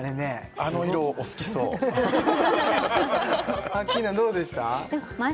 あの色お好きそうアッキーナどうでした？